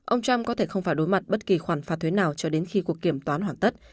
ông trump có thể không phải đối mặt bất kỳ khoản phạt thuế nào cho đến khi cuộc kiểm toán hoàn tất